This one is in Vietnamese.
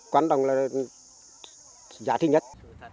quan đồng là giá thích nhất